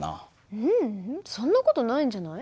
ううんそんな事ないんじゃない？